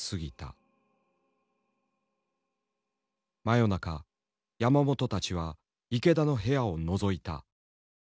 真夜中山本たちは池田の部屋をのぞいた。